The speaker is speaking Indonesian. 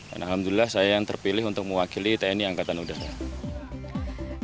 alhamdulillah saya yang terpilih untuk mewakili tni angkatan udara